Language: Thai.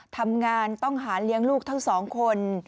ทำงานต้องหาเลี้ยงลูกทั้งสองคน